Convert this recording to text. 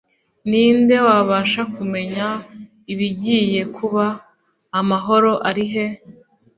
Ni nde wabasha kumenya ibigiye kuba? Amahoro ari he'?